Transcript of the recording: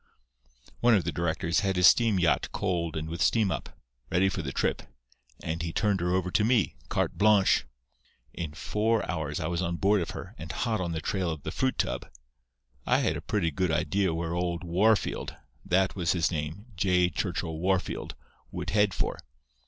"One of the directors had his steam yacht coaled and with steam up, ready for the trip; and he turned her over to me, cart blongsh. In four hours I was on board of her, and hot on the trail of the fruit tub. I had a pretty good idea where old Wahrfield—that was his name, J. Churchill Wahrfield—would head for.